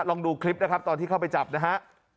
ลองดูคลิปนะครับตอนที่เข้าไปจับนะฮะ